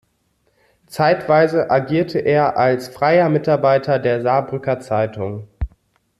Zeitweise agierte er als freier Mitarbeiter der Saarbrücker Zeitung.